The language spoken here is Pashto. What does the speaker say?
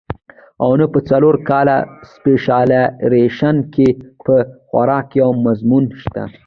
او نۀ پۀ څلور کاله سپېشلائزېشن کښې پۀ خوراک يو مضمون شته